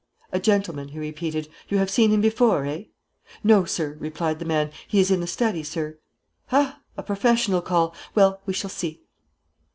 "A gentleman," he repeated; "you have seen him before eh?" "No, sir," replied the man; "he is in the study, sir." "Ha! a professional call. Well, we shall see."